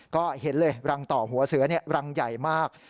ก็เห็นเลยรังต่อหัวเสือรังใหญ่มาก